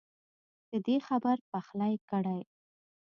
ددې خبر پخلی کړی